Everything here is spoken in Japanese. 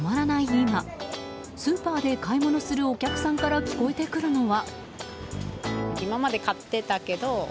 今スーパーで買い物するお客さんから聞こえてくるのは。